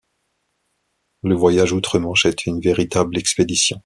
Le voyage outre-Manche est une véritable expédition.